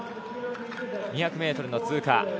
２００ｍの通過。